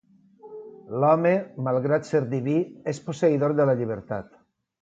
L'Home, malgrat ser diví, és posseïdor de la llibertat.